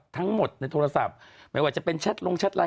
ทั้งหมดในโทรศัพท์ไม่ว่าจะเป็นแชทลงแชทไล